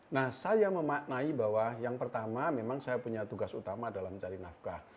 nah saya memaknai bahwa yang pertama memang saya punya tugas utama dalam mencari nafkah